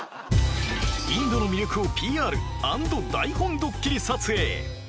インドの魅力を ＰＲ＆ 台本どっきり撮影